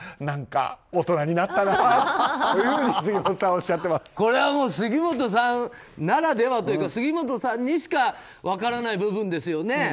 何か大人になったなあと杉本さんならではというか杉本さんにしか分からない部分ですよね。